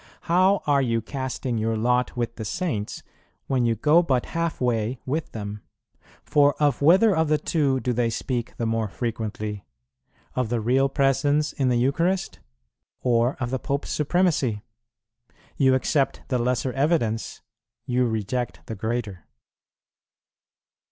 How are you casting your lot with the Saints, when you go but half way with them? For of whether of the two do they speak the more frequently, of the Real Presence in the Eucharist, or of the Pope's supremacy? You accept the lesser evidence, you reject the greater."